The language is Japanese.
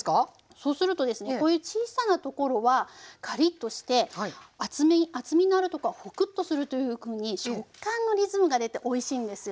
そうするとですねこういう小さなところはカリッとして厚み厚みのあるところはホクッとするというふうに食感のリズムが出ておいしいんですよ。